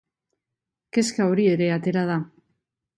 Kezka hori ere atera da.